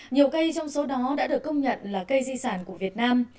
nhiều cây trong số đó đã được công nhận là cây di sản của việt nam